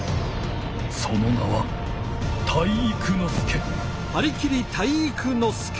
その名は体育ノ介！